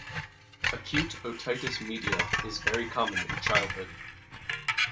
Acute otitis media is very common in childhood.